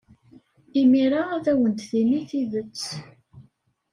Imir-a ad awen-d-tini tidet.